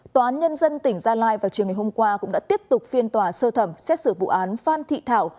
tòa án nhân dân tỉnh gia lai vào chiều ngày hôm qua cũng đã tiếp tục phiên tòa sơ thẩm xét xử vụ án phan thị thảo